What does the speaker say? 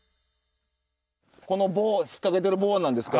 この棒引っ掛けてる棒は何ですか？